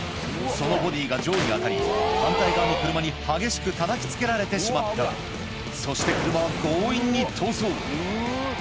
そのボディーがジョーに当たり反対側の車に激しくたたきつけられてしまったそして車は強引に逃走うぅ。